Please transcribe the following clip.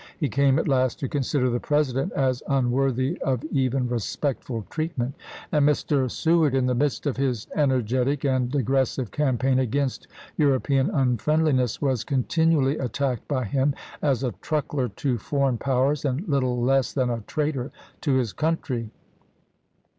He came at last to consider the President as un worthy of even respectful treatment ; and Mr. Sew ard, in the midst of his energetic and aggressive campaign against European unfriendliness, was continually attacked by him as a truckler to foreign powers and little less than a traitor to his country.